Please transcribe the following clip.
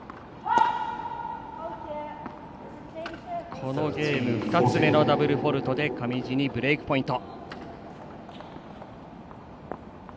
このゲーム２つ目のダブルフォールトで上地にブレークポイント。